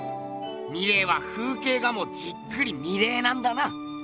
ミレーは風景画もじっくり見れなんだな。